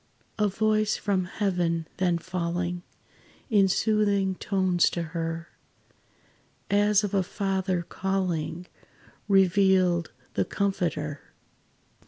A voice from heaven then falling In soothing tones to her, As of a Father, calling, Revealed the Comforter.